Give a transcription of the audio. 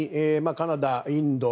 カナダ、インド